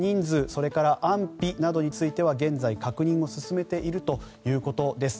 それから安否などは現在、確認を進めているということです。